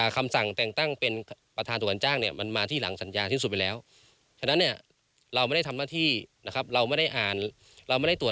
การบอกที่สำคัญ